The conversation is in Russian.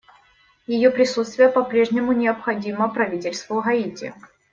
Ее присутствие по-прежнему необходимо правительству Гаити.